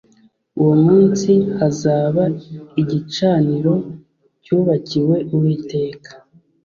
uwo munsi hazaba igicaniro cyubakiwe uwiteka